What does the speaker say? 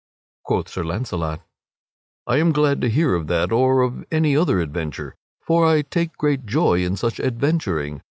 Quoth Sir Launcelot, "I am glad to hear of that or of any other adventure, for I take great joy in such adventuring.